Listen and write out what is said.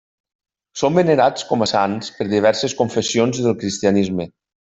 Són venerats com a sants per diverses confessions del cristianisme.